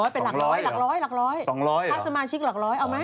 เป็นหลักร้อยหลักร้อยหลักร้อยพักสมาชิกหลักร้อยเอาไหม